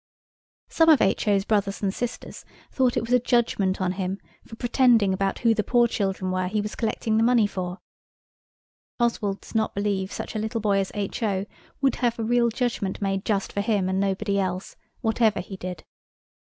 Some of H.O.'s brothers and sisters thought it was a judgment on him for pretending about who the poor children were he was collecting the money for. Oswald does not believe such a little boy as H.O. would have a real judgment made just for him and nobody else, whatever he did.